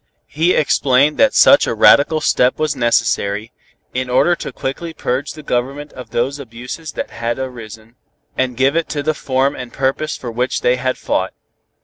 He explained that such a radical step was necessary, in order to quickly purge the Government of those abuses that had arisen, and give to it the form and purpose for which they had fought.